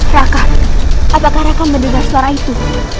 raka apakah raka mendengar suara itu